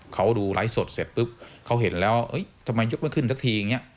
เขาดูไลฟ์สดเสร็จปุ๊บเขาเห็นแล้วทำไมยกไม่ขึ้นสักทีอย่างนี้